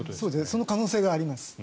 その可能性があります。